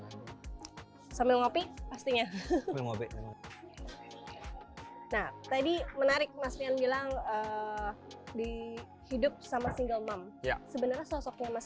sambil ngopi pastinya ngopi nah tadi menarik mas rian bilang di hidup sama single mom ya sebenarnya sosoknya mas